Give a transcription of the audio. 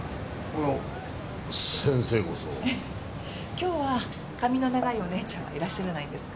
今日は髪の長いおねえちゃんはいらっしゃらないんですか？